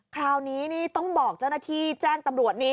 คราวนี้นี่ต้องบอกเจ้าหน้าที่แจ้งตำรวจนี้